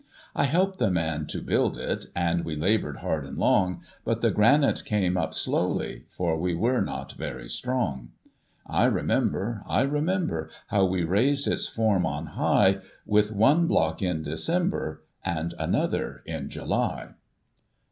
I helped the man to build it. And we laboured hard and long. But the granite came up slowly, For we were not very strong. I remember, I remember. How we raised its form on high. With one block in December, And another in July.